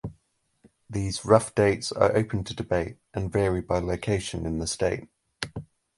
These rough dates are open to debate and vary by location in the state.